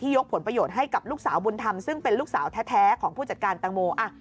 ยกผลประโยชน์ให้กับลูกสาวบุญธรรมซึ่งเป็นลูกสาวแท้ของผู้จัดการตังโม